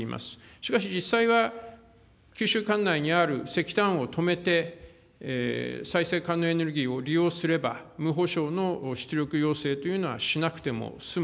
しかし実際は、九州管内にある石炭を止めて、再生可能エネルギーを利用すれば、無保証の出力要請というのはしなくても済む。